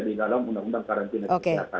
di dalam undang undang tarantina